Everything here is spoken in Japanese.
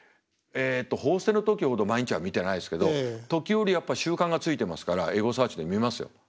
えっと「報ステ」の時ほど毎日は見てないですけど時折やっぱ習慣がついてますからエゴサーチで見ますよ。